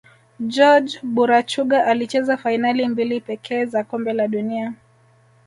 jorge burachuga alicheza fainali mbili pekee za kombe la dunia